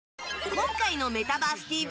今回の「メタバースＴＶ！！」